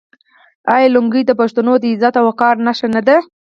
آیا لونګۍ د پښتنو د عزت او وقار نښه نه ده؟